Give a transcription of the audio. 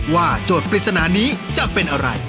โจทย์ปริศนานี้จะเป็นอะไร